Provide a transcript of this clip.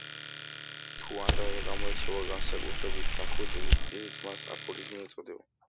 თუ ანდაზა გამოირჩევა განსაკუთრებით დახვეწილი სტილით, მას „აფორიზმი“ ეწოდება.